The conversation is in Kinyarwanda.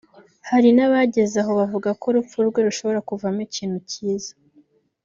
Hari n’abageze aho bavuga ko urupfu rwe rushobora kuvamo ikintu cyiza